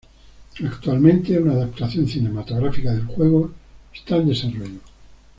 Actualmente, una adaptación cinematográfica del juego está en desarrollo.